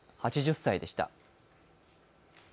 ８０歳でした。